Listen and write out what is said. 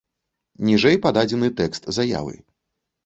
Ніжэй пададзены тэкст заявы.